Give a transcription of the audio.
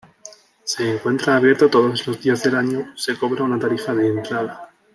Se encuentra abierto todos los días del año, se cobra una tarifa de entrada.